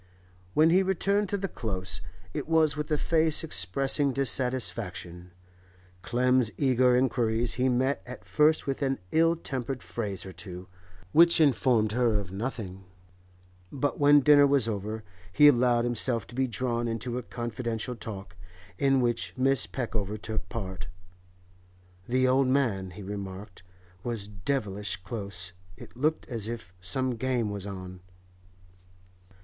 When he returned to the Close, it was with a face expressing dissatisfaction. Clem's eager inquiries he met at first with an ill tempered phrase or two, which informed her of nothing; but when dinner was over he allowed himself to be drawn into a confidential talk, in which Mrs. Peckover took part. The old man, he remarked, was devilish close; it looked as if 'some game was on.